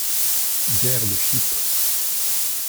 - Guerre de Chypre.